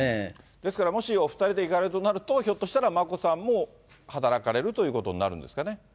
ですから、もしお２人で行かれるとなると、ひょっとしたら眞子さんも働かれるということになるんですかね。